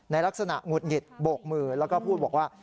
ลักษณะหงุดหงิดโบกมือแล้วก็พูดบอกว่า